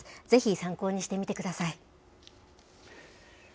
ぜひ、参考にしてみてください。